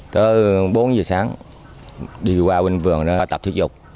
tới bốn giờ sáng đi qua bên vườn nó tập thuyết dục